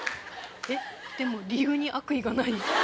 えっでも理由に悪意がない。